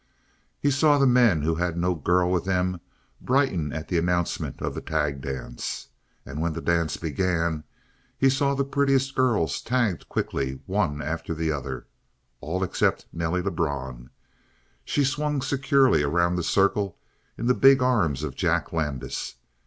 He saw the men who had no girl with them brighten at the announcement of the tag dance. And when the dance began he saw the prettiest girls tagged quickly, one after the other. All except Nelly Lebrun. She swung securely around the circle in the big arms of Jack Landis.